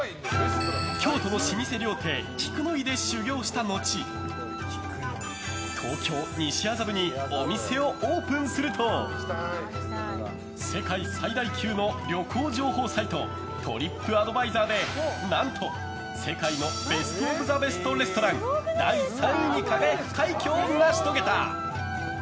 京都の老舗料亭菊乃井で修業したのち東京・西麻布にお店をオープンすると世界最大級の旅行情報サイトトリップアドバイザーで何と、世界のベスト・オブ・ザ・ベストレストラン第３位に輝く快挙を成し遂げた！